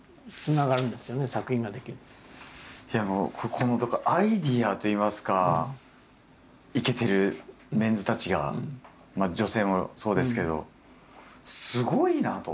このアイデアといいますかいけてるメンズたちが女性もそうですけどすごいなあと。